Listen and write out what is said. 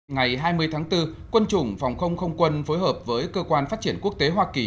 ngày hai mươi tháng bốn quân chủng phòng không không quân phối hợp với cơ quan phát triển quốc tế hoa kỳ